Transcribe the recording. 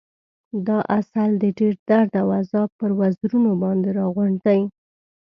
دا عسل د ډېر درد او عذاب پر وزرونو باندې راغونډ دی.